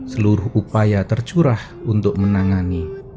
seluruh upaya tercurah untuk menangani